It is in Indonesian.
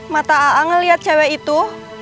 mata aa ngeliat cewek itu